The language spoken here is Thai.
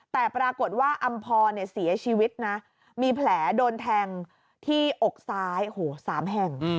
แต่ปรากฏว่าอำพรเสียชีวิตนะมีแผลโดนแทงที่อกซ้าย๓แห่ง